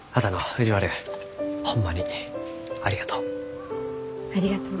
藤丸ホンマにありがとう。